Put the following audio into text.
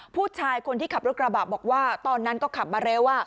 ผู้ชายคนที่ขับรถกระบะบอกว่าตอนนั้นก็ขับมาเร็ว